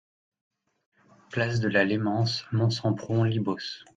Place de la Lémance, Monsempron-Libos